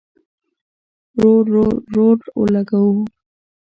رور، رور، رور اولګوو